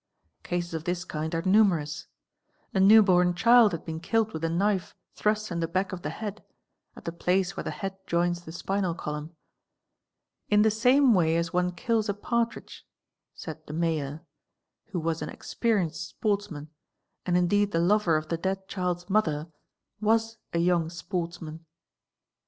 Cases of this kind are numerous: a new born child had en killed with a knife thrust in the back of the head (at the place here the head joins the spinal column) "in the same way as one kills partridge," said the Mayor, who was an experienced sportsman, and deed the lover of the dead child's mother was a young sportsman.